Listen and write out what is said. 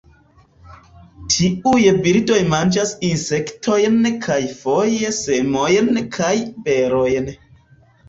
Tiuj birdoj manĝas insektojn kaj foje semojn kaj berojn.